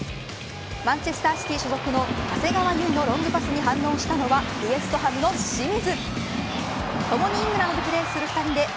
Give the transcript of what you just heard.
マンチェスター・シティ所属の長谷川唯のロングパスに反応したのはウェストハムの清水。